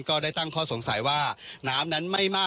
ก็ได้ตั้งข้อสงสัยนะครับว่า